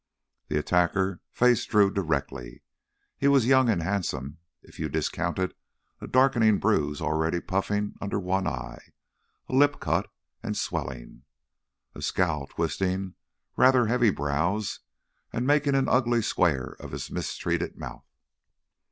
The attacker faced Drew directly. He was young and handsome, if you discounted a darkening bruise already puffing under one eye, a lip cut and swelling, a scowl twisting rather heavy brows and making an ugly square of his mistreated mouth.